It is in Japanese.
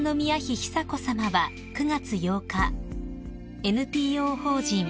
久子さまは９月８日ＮＰＯ法人